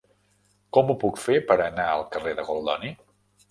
Com ho puc fer per anar al carrer de Goldoni?